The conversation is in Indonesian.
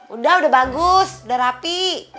udah udah bagus udah rapi